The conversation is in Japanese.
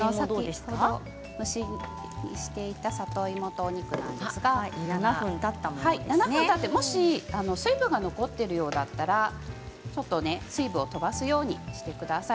蒸し煮していた里芋とお肉７分たって、もし水分が残っているようだったらちょっと水分を飛ばすようにしてください。